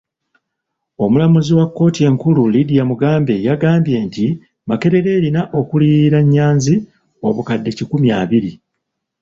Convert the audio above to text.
Omulamuzi wa kkooti enkulu Lydia Mugambe yagambye nti Makerere erina okuliyirira Nnyanzi obukadde kikumi abiri.